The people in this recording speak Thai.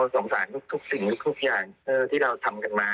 สงสารทุกสิ่งทุกอย่างที่เราทำกันมา